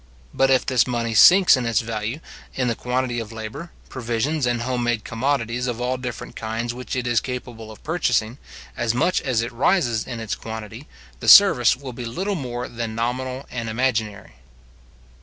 But if this money sinks in its value, in the quantity of labour, provisions, and home made commodities of all different kinds which it is capable of purchasing, as much as it rises in its quantity, the service will be little more than nominal and imaginary.